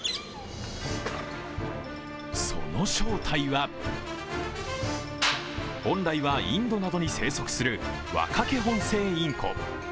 その正体は本来はインドなどに生息するワカケホンセイインコ。